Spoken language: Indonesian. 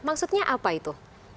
maksudnya apa itu